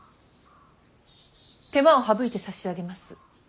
手間を省いてさしあげます。